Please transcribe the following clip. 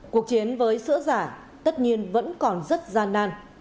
cuộc chiến với sữa giả tất nhiên vẫn còn rất gian nan